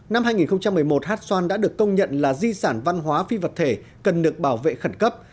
năm hai nghìn một mươi một hát xoan đã được công nhận là di sản văn hóa phi vật thể cần được bảo vệ khẩn cấp